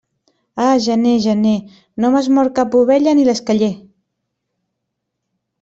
Ah, gener, gener, no m'has mort cap ovella ni l'esqueller.